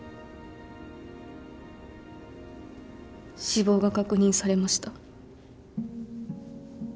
死亡が確認されました。